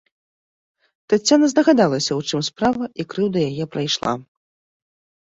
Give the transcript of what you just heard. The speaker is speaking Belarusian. Таццяна здагадалася, у чым справа, і крыўда яе прайшла.